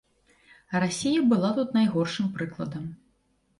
Расія была тут найгоршым прыкладам.